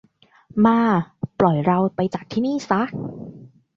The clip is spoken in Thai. มา ปล่อยเราไปจากที่นี่ซะ